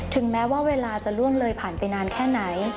แม้ว่าเวลาจะล่วงเลยผ่านไปนานแค่ไหน